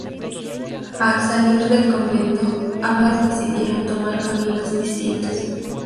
Al salir del convento, ambas decidieron tomar caminos distintos.